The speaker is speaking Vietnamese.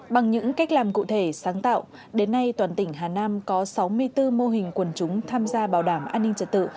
bằng những cách làm cụ thể sáng tạo đến nay toàn tỉnh hà nam có sáu mươi bốn mô hình quần chúng tham gia bảo đảm an ninh trật tự